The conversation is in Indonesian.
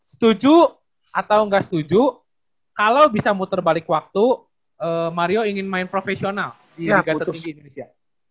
setuju atau nggak setuju kalau bisa muter balik waktu mario ingin main profesional di liga tertinggi indonesia